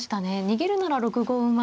逃げるなら６五馬。